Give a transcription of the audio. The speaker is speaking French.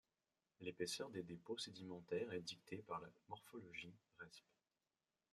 L'épaisseur des dépôts sédimentaires est dictée par la morphologie, resp.